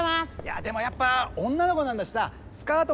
でもやっぱ女の子なんだしさスカート